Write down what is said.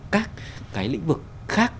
các cái lĩnh vực khác